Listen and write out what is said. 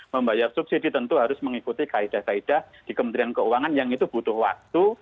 membayar subsidi tentu harus mengikuti kaedah kaedah di kementerian keuangan yang itu butuh waktu